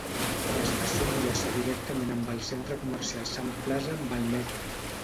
L'estació enllaça directament amb el centre comercial Sun Plaza amb el metro.